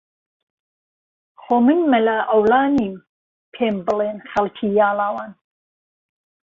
خۆ من مهلا عهوڵا نیم پێم بڵێن خهڵکی یاڵاوان